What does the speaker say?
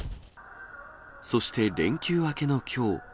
そして、連休明けのきょう。